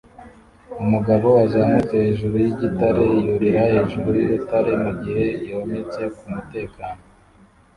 Umugabo wazamutse hejuru yigitare yurira hejuru yurutare mugihe yometse kumutekano